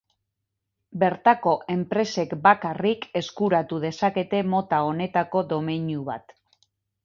Bertako enpresek bakarrik eskuratu dezakete mota honetako domeinu bat.